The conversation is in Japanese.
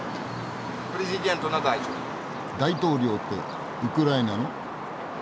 大統領ってウクライナの？